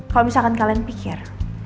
kalau misalkan kalian pikir